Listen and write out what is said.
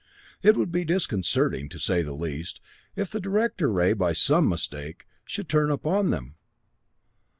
It would be disconcerting, to say the least, if the director ray, by some mistake, should turn upon them!